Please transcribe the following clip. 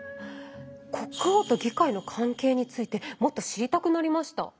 国王と議会の関係についてもっと知りたくなりました。